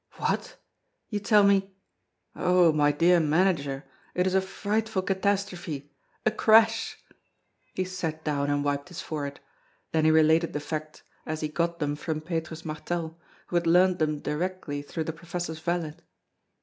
"What? you tell me " "Oh! my dear manager, it is a frightful catastrophe, a crash!" He sat down and wiped his forehead; then he related the facts as he got them from Petrus Martel, who had learned them directly through the professor's valet.